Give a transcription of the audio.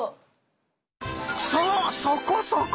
そうそこそこ！